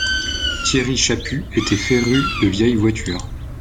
Thierry Chaput était féru de vieilles voitures.